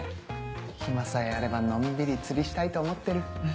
暇さえあればのんびり釣りしたいと思ってる。